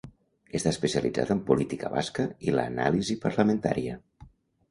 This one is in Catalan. Està especialitzada en política basca i l'anàlisi parlamentària.